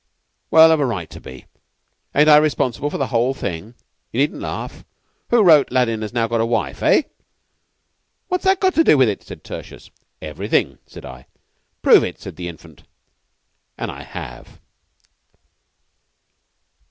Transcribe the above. "Well, I've a right to be. Ain't I responsible for the whole thing? You needn't laugh. Who wrote 'Aladdin now has got his wife' eh?" "What's that got to do with it?" said Tertius. "Everything," said I. "Prove it," said the Infant. And I have.